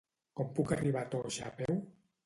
Com puc arribar a Toixa a peu?